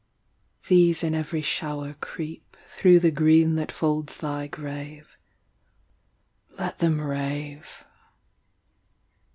These in every shower creep. Thro’ the green that folds thy grave. Let them rave.